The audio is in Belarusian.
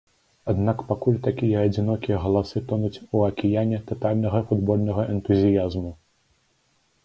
Аднак пакуль такія адзінокія галасы тонуць у акіяне татальнага футбольнага энтузіязму.